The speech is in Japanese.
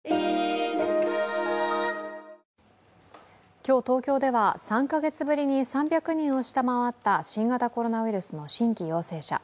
今日、東京では３カ月ぶりに３００人を下回った新型コロナウイルスの新規陽性者。